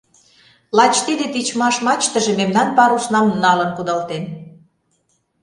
Лач тиде тичмаш мачтыже мемнан паруснам налын кудалтен.